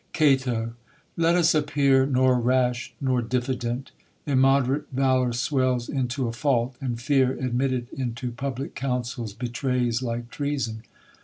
Caio. Let us appear nor rash nor diffident ; Imniod'rate valour swells into a fault ; And fear, admitted into public councils, Betrays like treason.